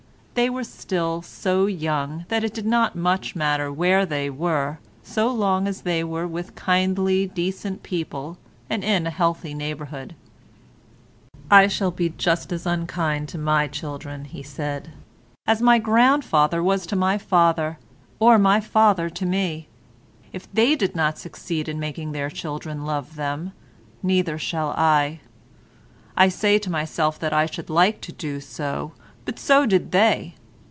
They were still so young that it did not much matter where they were, so long as they were with kindly decent people, and in a healthy neighbourhood. "I shall be just as unkind to my children," he said, "as my grandfather was to my father, or my father to me. If they did not succeed in making their children love them, neither shall I. I say to myself that I should like to do so, but so did they.